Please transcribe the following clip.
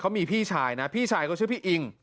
เขามีพี่ชายนะพี่ชายเขาชื่อพี่อิง